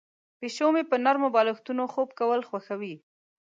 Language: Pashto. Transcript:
پیشو مې په نرمو بالښتونو خوب کول خوښوي.